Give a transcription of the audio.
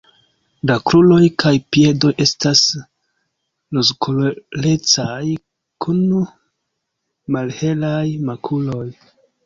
La kruroj kaj piedoj estas rozkolorecaj kun malhelaj makuloj.